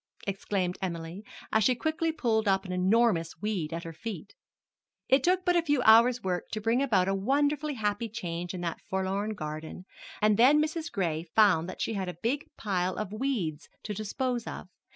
exclaimed Emily, as she quickly pulled up an enormous weed at her feet. It took but a few hours' work to bring about a wonderfully happy change in that forlorn garden, and then Mrs. Gray found that she had a big pile of weeds to dispose of.